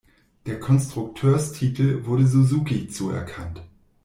Der Konstrukteurstitel wurde Suzuki zuerkannt.